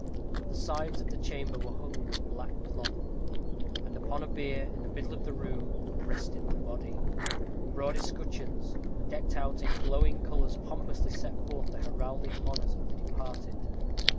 The sides of the chamber were hung with black cloth, and upon a bier in the middle of the room rested the body. Broad escutcheons, decked out in glowing colors pompously set forth the heraldic honors of the departed.